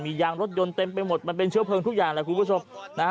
ยางรถยนต์เต็มไปหมดมันเป็นเชื้อเพลิงทุกอย่างแหละคุณผู้ชมนะฮะ